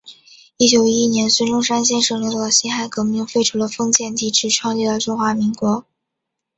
一九一一年孙中山先生领导的辛亥革命，废除了封建帝制，创立了中华民国。